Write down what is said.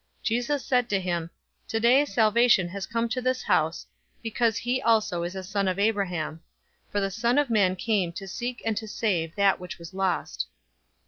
019:009 Jesus said to him, "Today, salvation has come to this house, because he also is a son of Abraham. 019:010 For the Son of Man came to seek and to save that which was lost."